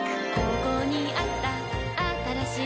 ここにあったあったらしい